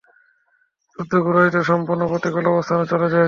যুদ্ধ কুরাইশদের সম্পূর্ণ প্রতিকূল অবস্থানে চলে যায়।